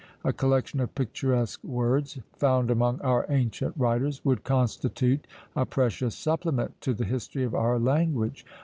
A collection of picturesque words, found among our ancient writers, would constitute a precious supplement to the history of our language.